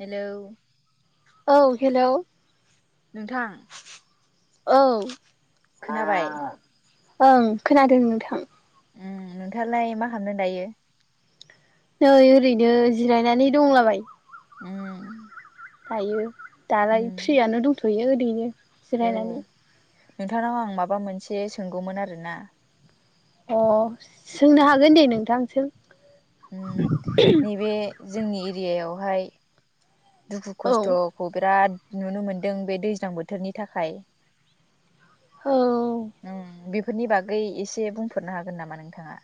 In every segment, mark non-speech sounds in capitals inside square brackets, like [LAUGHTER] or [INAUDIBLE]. Hello औ हेल'। नोंथां। औ। खोनाबाय। ओं खोनादों नोंथां। उ नोंथाङालाय मा खालामदों दायो? नै ओरैनो जिरायनानै दंलाबायो। उम। दायो दालाय उम फ्रियानो दंथ'यो ओरैनो औ जिरायनानै। नोंथांनाव आं माबा मोनसे सोंगौमोन आरोना। अ सोंनो हागोन दे नोंथां सों। नैबे जोंनि एरियायावहाय। दुखु औ खस्थ'खौ बिराद नुनो मोनदों बे दैज्लां बोथोरनि थाखाय। औ। फोरनि बागै एसे बुंफोरनो हागोन नामा नोंथाङा।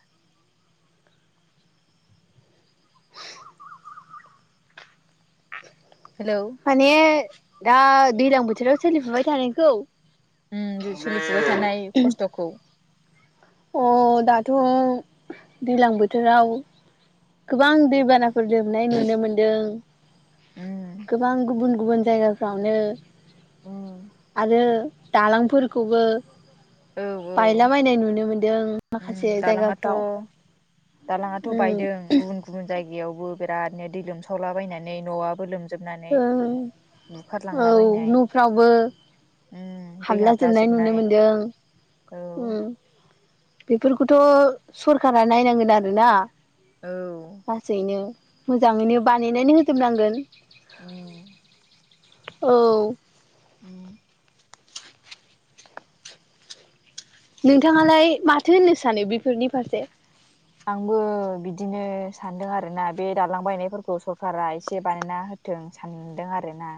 हेलौ माने दा दै्लां बोथोराव सोलिफुबाय थानायखौ। उम सोलिफुबाय थानाय खस्थ'खौ। अ दाथ' दैलां बोथोराव गोबां दैबाना फोजोबनाय नुनो मोन्दों उम गोबां गुबुन गुबुन जायगाफ्रावनो उम आरो दालांफोरखौबो बायला बायनाय नुनो मोनदों। माखासे दलांआथ' जायगाफ्राव दालाङाथ' उम बायदों गुबुन गुबुन जायगायाव यावबो बिरादनो दै लोमसावलाबायनानै न'आबो लोम ओं औ न'फ्रावबो उम दै हाबला जोबनाय नुनो हाबलाजोबनाय औ मोनदों। बेफोरखौथ' सरखारा नायनांगोन आरोना औ लासैनो। मोजाङैनो बानायनानै होजोबनांगोन। [INAUDIBLE] औ। [INAUDIBLE] नोंथाङालाय माथो होननो सानो बेफोरनि फारसे आंबो बिदिनो सानदों आरोना बे दालां बायनायफोरखौ सरखारारा एसे बानायना होदों। जों सानदों आरोना।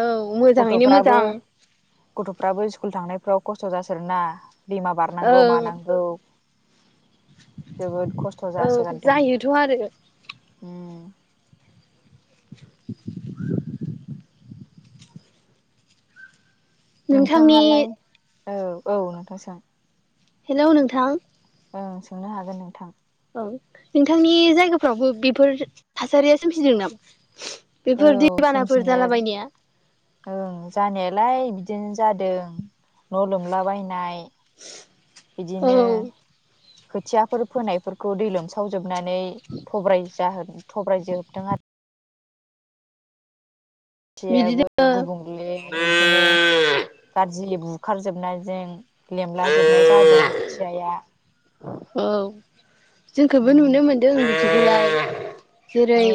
औ मोजाङैनो गथ'फ्राबो मोजां गथ'फ्राबो स्कुल थांनायफ्राव खस्थ' जासारोना। दैमा बारनांगौ ओं मानांगौ। जोबोद खस्थ' औ जासोगारदों। जायोथ' आरो [INAUDIBLE] नोंथांनि नोंथाङालाय औ औ नोंथां सों। हेल' नोंथां। अ सोंनो हागोन नोंथां। औ नोंथांनि जायगाफ्रावबो बेफोर थासारिया सोमजिदों नामा? औ बेफोर दैबानाफोर सोमजिनाय जालाबायनाया ओं जानायालाय बिदि दिनो जादों न' लोमलाबायनाय औ बिदिनो खोथियाफोर फोनायफोरखौ दै लोमसावजोब नानै थब्राय जा थब्राय जोबदों आरो थियाबो बिदिनो गुबुंले बिदिनो गाज्रि बु खारजोबनायजों लेमला जोबनाय जादों खोथियाया। औ। जोंखौबो उम नुनो मोन्दों बिदिखौलाय जेरै औ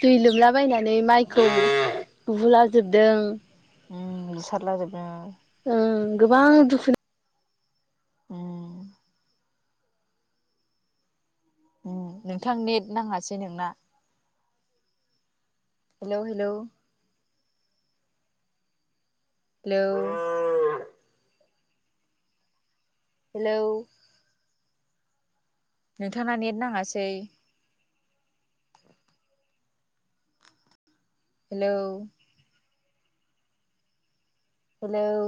दै लोमला बायायनानै माइखौ बुुलाजोबदों। उम बुसारला जोबो उम। उम गोबां दुखुनि‌ उम। उम नोंथां नेट नाङासै नोंना। Hello hello. हेलौ। हेलौ। नोंथा ना नेट नाङासै। [INAUDIBLE] हेलौ। हेलौ।